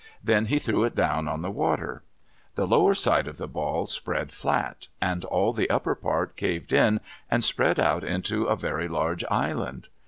Then he threw it down on the water. The lower side of the ball spread flat, and all the upper part caved in and spread out into a very large island.